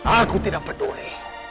aku tidak peduli